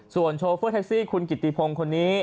ส่วนโชเฟอร์แท็กซี่คุณกิติพงศ์คนนี้